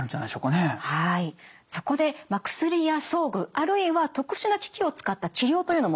そこで薬や装具あるいは特殊な機器を使った治療というのもあるんですね。